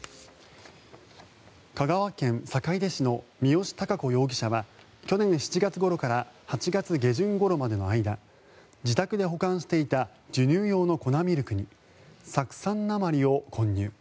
香川県坂出市の三好貴子容疑者は去年７月ごろから８月下旬ごろまでの間自宅で保管していた授乳用の粉ミルクに酢酸鉛を混入。